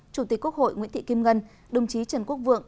chủ tịch quốc hội nguyễn thị kim ngân đồng chí trần quốc vượng